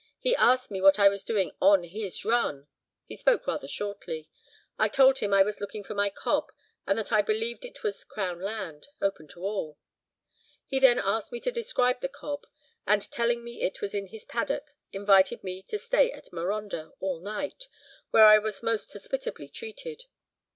He asked me what I was doing on his run—he spoke rather shortly. I told him I was looking for my cob, and that I believed it was Crown land, open to all. He then asked me to describe the cob, and telling me it was in his paddock, invited me to stay at Marondah all night, where I was most hospitably treated.